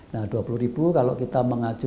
nah dua puluh ribu kalau kita mengacu